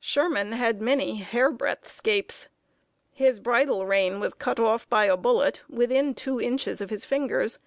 Sherman had many hair breadth 'scapes. His bridle rein was cut off by a bullet within two inches of his fingers.